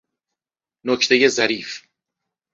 نکته ظریف